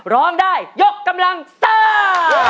ร้องได้ยกกำลังสเตอร์